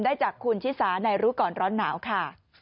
จากคุณชิสาในรู้ก่อนร้อนหนาวค่ะ